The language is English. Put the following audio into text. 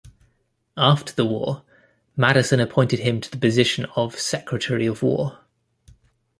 After the war, Madison appointed him to the position of Secretary of War.